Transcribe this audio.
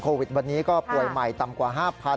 โควิดวันนี้ก็ป่วยใหม่ต่ำกว่า๕๐๐